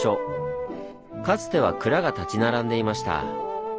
かつては蔵が立ち並んでいました。